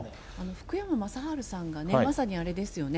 福山雅治さんがね、まさにあれですよね。